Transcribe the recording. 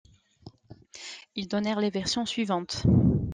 Ils donnèrent les versions suivantes.